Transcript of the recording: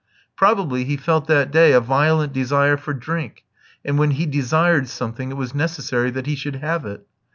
Probably he felt that day a violent desire for drink, and when he desired something it was necessary that he should have it.